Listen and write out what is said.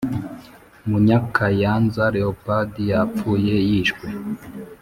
Munyakayanza Leopold yapfuye yishwe